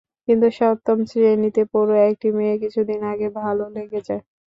কিন্তু সপ্তম শ্রেণীতে পড়ুয়া একটি মেয়েকে কিছুদিন আগে ভালো লেগে যায়।